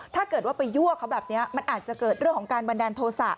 ถ้าเกิดว่าไปยั่วเขาแบบนี้มันอาจจะเกิดเรื่องของการบันดาลโทษะ